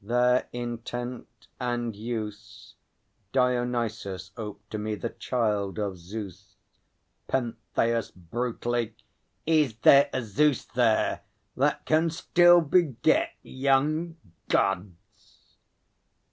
Their intent and use Dionysus oped to me, the Child of Zeus. PENTHEUS (brutally). Is there a Zeus there, that can still beget Young Gods?